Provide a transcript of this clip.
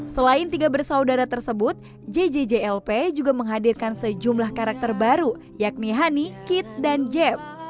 selain tiga bersaudara tersebut jjjlp juga menghadirkan sejumlah karakter baru yakni honey kit dan jem